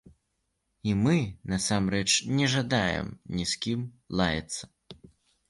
І мы насамрэч не жадаем ні з кім лаяцца.